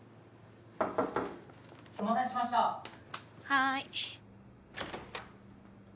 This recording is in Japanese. ・お待たせしました・はい。